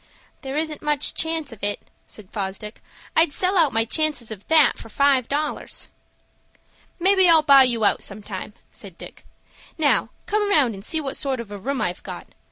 "There isn't much chance of it," said Fosdick. "I'd sell out my chances of that for five dollars." "Maybe I'll buy you out sometime," said Dick. "Now, come round and see what sort of a room I've got.